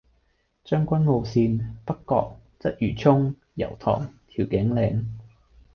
將軍澳綫：北角，鰂魚涌，油塘，調景嶺